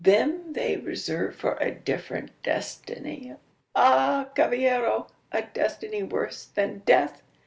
Them they reserve for a different destiny. Ah! cavallero! a destiny worse than death!